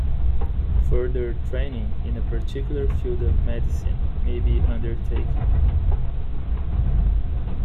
Further training in a particular field of medicine may be undertaken.